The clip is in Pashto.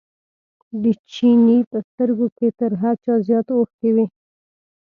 د چیني په سترګو کې تر هر چا زیات اوښکې وې.